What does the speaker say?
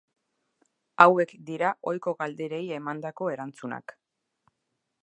Hauek dira ohiko galderei emandako erantzunak.